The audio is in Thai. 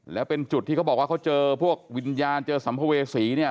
แล้วเป็นจุดที่เขาบอกว่าเขาเจอพวกวิญญาณเจอสัมภเวษีเนี่ย